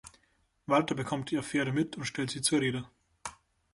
Walter bekommt die Affäre mit und stellt sie zur Rede.